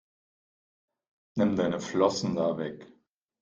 Nimm deine Flossen da weg!